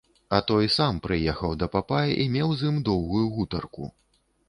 А той сам прыехаў да папа і меў з ім доўгую гутарку.